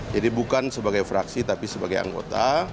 jadi bukan sebagai fraksi tapi sebagai anggota